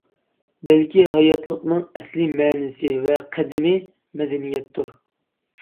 بەلكى ھاياتلىقنىڭ ئەسلىي مەنىسى ۋە قەدىمىي مەدەنىيەتتۇر.